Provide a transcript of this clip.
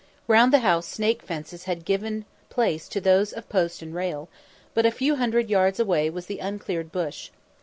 Round the house "snake fences" had given place to those of post and rail; but a few hundred yards away was the uncleared bush.